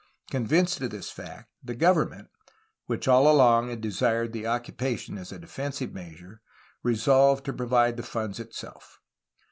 Con vinced of this fact, the government (which all along had desired the occupation as a defensive measure) resolved to provide the funds itself.